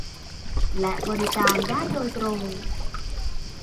และบริการได้โดยตรง